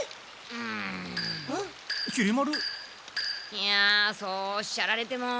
いやそうおっしゃられても。